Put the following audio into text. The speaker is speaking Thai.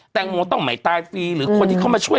แตงโมต้องไม่ตายฟรีหรือคนที่เข้ามาช่วย